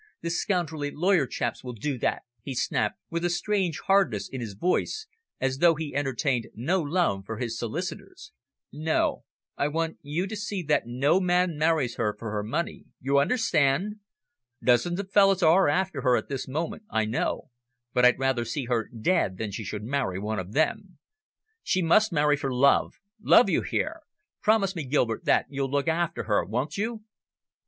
"The scoundrelly lawyer chaps will do that," he snapped, with a strange hardness in his voice, as though he entertained no love for his solicitors. "No, I want you to see that no man marries her for her money you understand? Dozens of fellows are after her at this moment, I know, but I'd rather see her dead than she should marry one of them. She must marry for love love, you hear? Promise me, Gilbert, that that you'll look after her, won't you?"